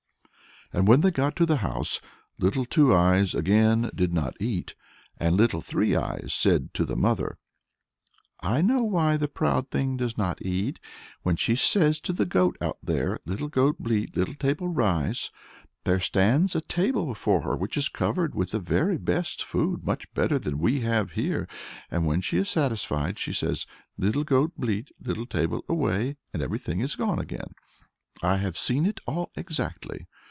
And when they got home, Little Two Eyes again did not eat, and Little Three Eyes said to the mother, "I know why the proud thing does not eat: when she says to the goat out there, 'Little goat, bleat; little table, rise,' there stands a table before her, which is covered with the very best food, much better than we have here; and when she is satisfied, she says, 'Little goat, bleat; little table away,' and everything is gone again; I have seen it all exactly.